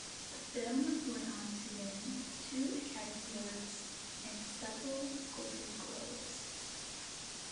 The film went on to win two Academy Awards and several Golden Globes.